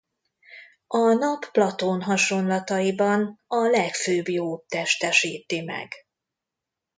A Nap Platón hasonlataiban a legfőbb jót testesíti meg.